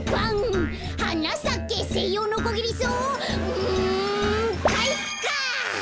うんかいか！